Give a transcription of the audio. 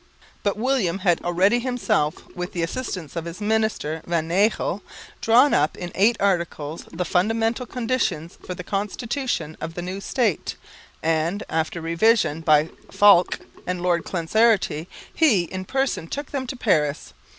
But William had already himself, with the assistance of his minister Van Nagell, drawn up in eight articles the fundamental conditions for the constitution of the new State; and, after revision by Falck and Lord Clancarty, he in person took them to Paris.